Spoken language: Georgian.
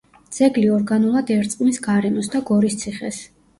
ძეგლი ორგანულად ერწყმის გარემოს და გორის ციხეს.